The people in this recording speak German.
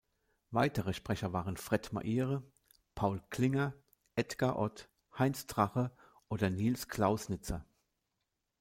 Weitere Sprecher waren Fred Maire, Paul Klinger, Edgar Ott, Heinz Drache oder Niels Clausnitzer.